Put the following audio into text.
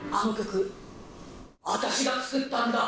あの曲、私が作ったんだ。